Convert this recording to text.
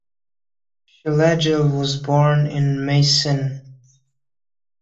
Schlegel was born in Meissen.